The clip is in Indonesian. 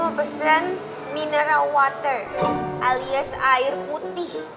gua mau pesen mineral water alias air putih